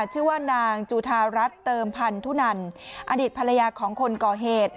ชื่อว่านางจุธารัฐเติมพันธุนันอดีตภรรยาของคนก่อเหตุ